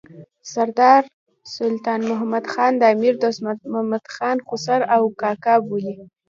سردار سلطان احمد خان د امیر دوست محمد خان خسر او کاکا بولي.